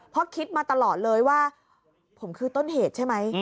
เพราะคิดมาตลอดเลยว่าผมคือต้นเหตุใช่ไหม